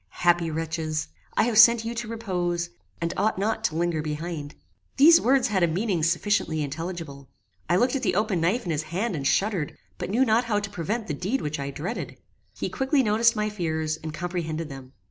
Happy wretches! I have sent you to repose, and ought not to linger behind." These words had a meaning sufficiently intelligible. I looked at the open knife in his hand and shuddered, but knew not how to prevent the deed which I dreaded. He quickly noticed my fears, and comprehended them.